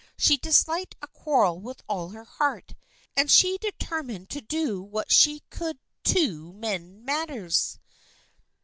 She disliked a quarrel with all her heart, and she de termined to do what she could to mend matters.